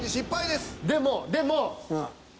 でもでも。